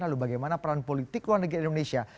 lalu bagaimana peran politik luar negeri indonesia